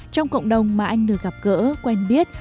trong cộng đồng mà anh được gặp gỡ quen biết